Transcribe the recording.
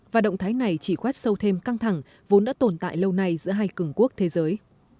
và động thái này chỉ khoét sâu thêm căng thẳng vốn đã tồn tại lâu nay giữa hai cường quốc thế giới